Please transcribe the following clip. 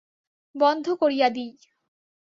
বন্ধ করিয়া দিই।